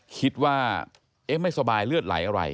คิดว่าเอ๊ะไม่สบายเลือดไหลอะไร